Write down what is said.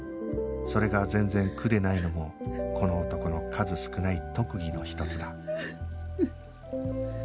それが全然苦でないのもこの男の数少ない特技の一つだ